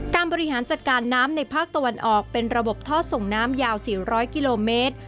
บริหารจัดการน้ำในภาคตะวันออกเป็นระบบท่อส่งน้ำยาว๔๐๐กิโลเมตร